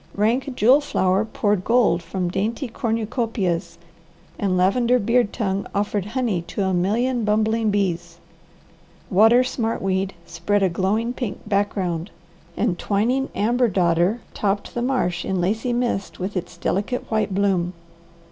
Rank jewel flower poured gold from dainty cornucopias and lavender beard tongue offered honey to a million bumbling bees; water smart weed spread a glowing pink background, and twining amber dodder topped the marsh in lacy mist with its delicate white bloom.